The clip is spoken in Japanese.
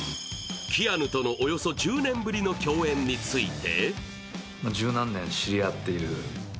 キアヌとのおよそ１０年ぶりの共演について。